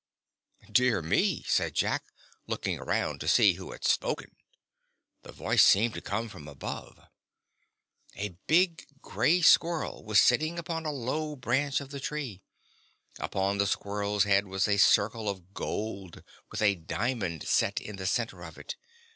"Dear me!" said Jack, looking around to see who had spoken. The voice seemed to come from above. A big grey squirrel was sitting upon a low branch of the tree. Upon the squirrel's head was a circle of gold, with a diamond set in the center of it.